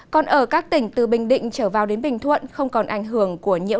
còn ở các tỉnh từ bình định trở vào đến bình thuận không còn ảnh hưởng của nhiễu